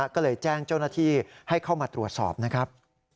ก็เลยแจ้งเจ้าหน้าที่ให้เข้ามาตรวจสอบนะครับ